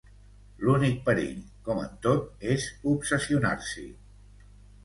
L'únic perill, com en tot, és obsessionar-s'hi.